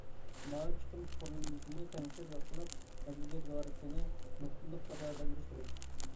مائارىپ چىقىم قۇرۇلمىسىنى تەڭشەپ ياخشىلاپ، مەجبۇرىيەت مائارىپىنى نۇقتىلىق كاپالەتلەندۈرۈش كېرەك.